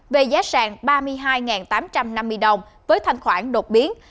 về giá sàng ba mươi hai tám trăm năm mươi đồng với thanh khoản đột biến